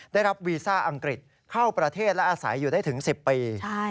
ได้รับวีซ่าอังกฤษเข้าประเทศและอาศัยอยู่ได้ถึง๑๐ปี